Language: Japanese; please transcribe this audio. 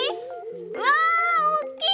うわおっきい！